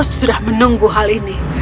sudah menunggu hal ini